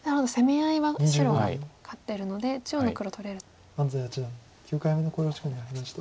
安斎八段９回目の考慮時間に入りました。